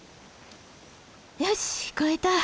よし越えた！